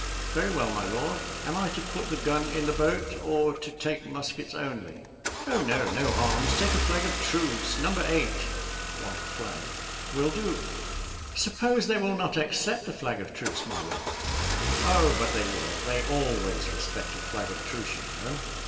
"Very well, my lord. Am I to put the gun in the boat? or to take muskets only?" "Oh, no, no arms take a flag of truce No. 8 (white flag) will do." "Suppose they will not accept the flag of truce, my lord?" "Oh, but they will: they always respect a flag of truce, you know."